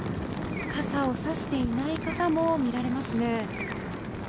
傘を差していない方も見られますね。